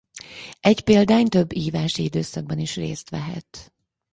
Egy példány több ívási időszakban is részt vehet.